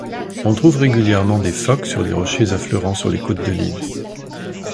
On trouve régulièrement des phoques sur les rochers affleurant sur les côtes de l'île.